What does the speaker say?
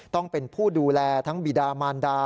ต้องเป็นผู้ดูแลทั้งบีดามานดา